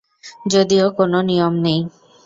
যদিও কোনও নিয়ম নেই।